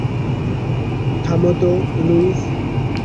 থামো তো, লুইস।